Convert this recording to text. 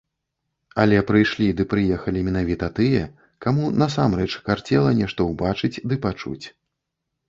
Але прыйшлі ды прыехалі менавіта тыя, каму насамрэч карцела нешта ўбачыць ды пачуць.